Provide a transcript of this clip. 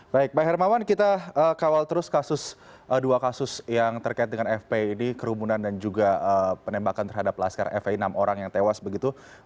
baik pak hermawan kita kawal terus dua kasus yang terkait dengan fpi ini kerumunan dan juga penembakan terhadap laskar fpi enam orang yang tewas begitu